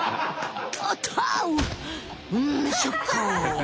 んショック！